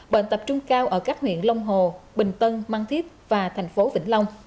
bệnh tập trung cao ở các huyện long hồ bình tân măng thiết và thành phố vĩnh long